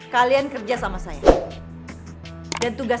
kalian kerjasama saya